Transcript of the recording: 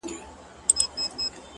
د هغه ږغ زما د ساه خاوند دی;